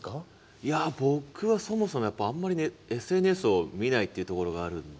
いや僕はそもそもあんまりＳＮＳを見ないっていうところがあるんで。